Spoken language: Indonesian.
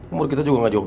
umur kita juga gak joben